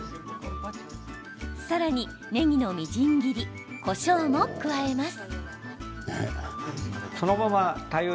さらに、ねぎのみじん切りこしょうも加えます。